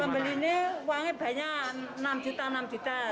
pembeli ini uangnya banyak enam juta enam juta